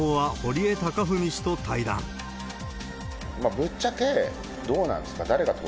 ぶっちゃけ、どうなんですか？